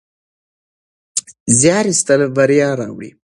زیار ایستل بریا راوړي.